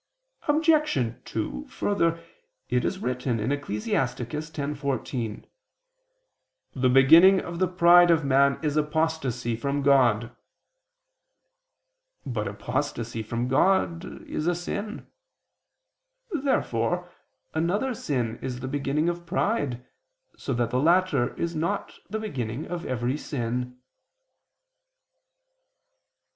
Obj. 2: Further, it is written (Ecclus. 10:14): "The beginning of the pride of man is apostasy [Douay: 'to fall off'] from God." But apostasy from God is a sin. Therefore another sin is the beginning of pride, so that the latter is not the beginning of every sin.